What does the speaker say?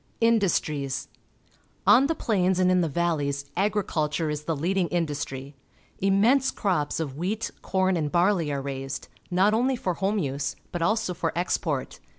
Industries. — On the plains and in the valleys agriculture is the leading industry. Immense crops of wheat, corn, and barley are raised, not only for home use but also for export.